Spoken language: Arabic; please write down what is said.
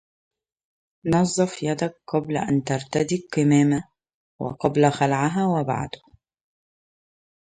نظّف يديك قبل أن ترتدي الكمامة، وقبل خلعها وبعده.